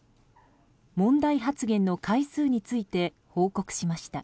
問題発言の回数について報告しました。